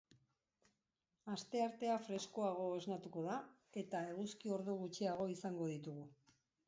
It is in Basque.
Asteartea freskoago esnatuko da, eta eguzki ordu gutxiago izango ditugu.